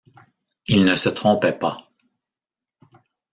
Il ne se trompait pas